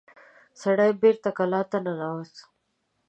سړی بېرته کلا ته ننوت.